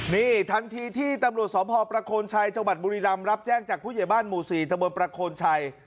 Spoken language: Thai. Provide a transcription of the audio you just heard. นี่ทันทีที่ตำรวจสพประโคนชัยจังหวัดบุรีรำรับแจ้งจากผู้ใหญ่บ้านหมู่๔ตะบนประโคนชัย